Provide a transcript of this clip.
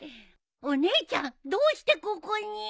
お姉ちゃんどうしてここに。